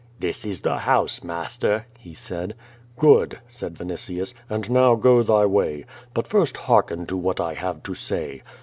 "This is the house, master," he said. "Good!" said Yinitius. "And now go thy way. But first hearken to what I have to say.